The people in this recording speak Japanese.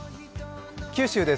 九州です。